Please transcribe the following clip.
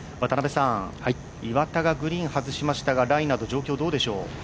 岩田がグリーン外しましたがライのあと状況どうでしょう？